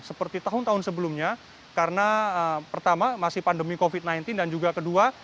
seperti tahun tahun sebelumnya karena pertama masih pandemi covid sembilan belas dan juga kedua